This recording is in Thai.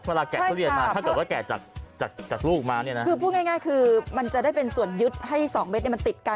แกะทุเรียนมาถ้าเกิดว่าแกะจากจากลูกมาเนี่ยนะคือพูดง่ายคือมันจะได้เป็นส่วนยึดให้สองเม็ดเนี่ยมันติดกัน